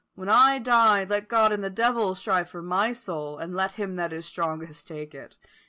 When I die, let God and the devil strive for my soul, and let him that is strongest take it."